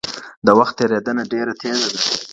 د وخت تېرېدنه ډېره تېزه ده.